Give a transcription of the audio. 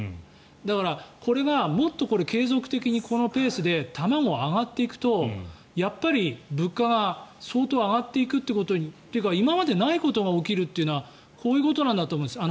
だから、これがもっと継続的にこのペースで卵が上がっていくとやっぱり物価が相当上がっていくことに。というか今までにないことが起きるというのはこういうことなんだと思うんです。